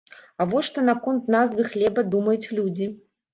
А вось што наконт назвы хлеба думаюць людзі.